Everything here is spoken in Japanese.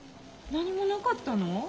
何もなかったの？